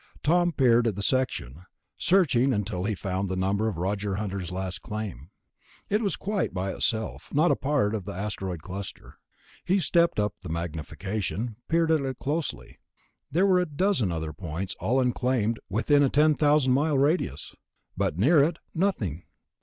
Tom peered at the section, searching until he found the number of Roger Hunter's last claim. It was quite by itself, not a part of an asteroid cluster. He stepped up the magnification, peered at it closely. There were a dozen other pinpoints, all unclaimed, within a ten thousand mile radius.... But near it, nothing....